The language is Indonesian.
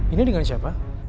ini dengan siapa